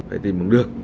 hãy tìm được